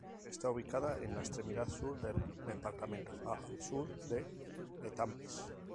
Está ubicada en la extremidad sur del departamento, a al sur de Étampes.